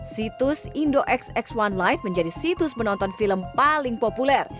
situs indoxxonelight menjadi situs menonton film paling populer